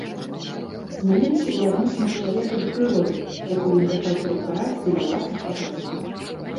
Змяніліся і адносіны чалавека да прыроды, якую ён пачаў пераўтвараць дзеля ўласных патрэб.